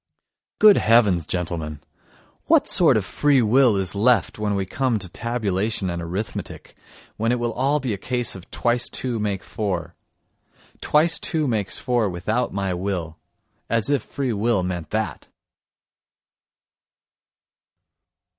Good heavens, gentlemen, what sort of free will is left when we come to tabulation and arithmetic, when it will all be a case of twice two make four? Twice two makes four without my will. As if free will meant that!